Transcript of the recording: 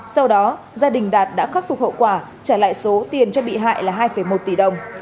sau đó gia đình đạt đã khắc phục hậu quả trả lại số tiền cho bị hại là hai một tỷ đồng